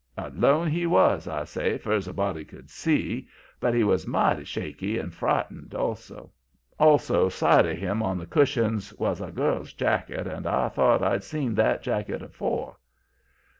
"Alone he was, I say, fur's a body could see, but he was mighty shaky and frightened. Also, 'side of him, on the cushions, was a girl's jacket, and I thought I'd seen that jacket afore.